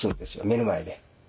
目の前で。